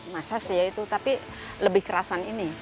masas ya itu tapi lebih kerasan ini